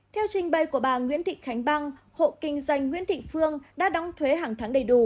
theo trình bày của bà nguyễn thị khánh băng hộ kinh doanh nguyễn thị phương đã đóng thuế hàng tháng đầy đủ